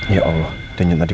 ya allah dengan yang tadi